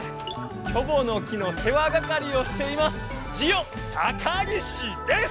キョボの木の世話係をしていますジオタカギシです！